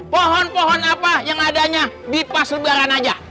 pohon pohon apa yang adanya di pas lebaran aja